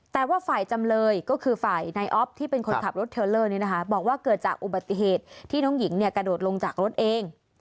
แต่ว่าฝ่ายจำเลยก็คือฝ่ายนายอ๊อฟที่เป็นคนขับรถเทลเลอร์นี้นะคะบอกว่าเกิดจากอุบัติเหตุที่น้องหญิงกระโดดลงจากรถเอง